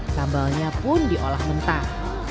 sambalnya pun diolah mentah